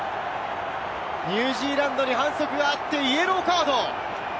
ニュージーランドに反則があってイエローカード。